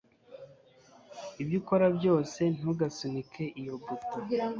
Ibyo ukora byose, ntugasunike iyo buto.